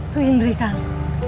tuh indri kang